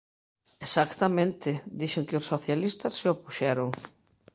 Exactamente, dixen que os socialistas se opuxeron.